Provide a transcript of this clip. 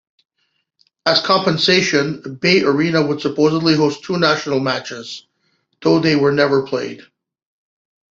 As compensation, BayArena would supposedly host two national matches, though they were never played.